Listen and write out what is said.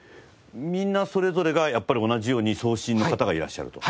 みんなそれぞれがやっぱり同じように送信の方がいらっしゃると？